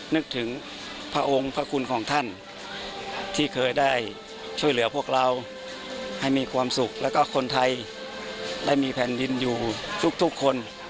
นึกถึงพระองค์พระคุณของท่านที่เคยได้ช่วยเหลือพวกเราให้มีความสุขแล้วก็คนไทยได้มีแผ่นดินอยู่ทุกคน